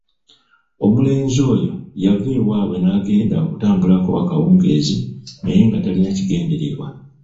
Omulenzi oyo yava ewaabwe n'agenda okutambulako akawungeezi naye nga talina kigendererwa.